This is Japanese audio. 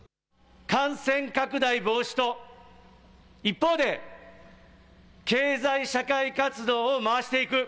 感染拡大防止と一方で経済社会活動を回していく。